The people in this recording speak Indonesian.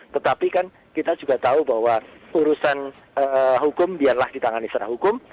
tetapi kan kita juga tahu bahwa urusan hukum biarlah di tangan istana hukum